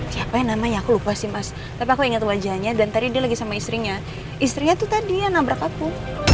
siapa yang namanya aku lupa sih mas tapi aku ingat wajahnya dan tadi dia lagi sama istrinya istrinya tuh tadi yang nabrak aku